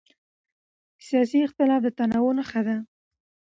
سیاسي اختلاف د تنوع نښه ده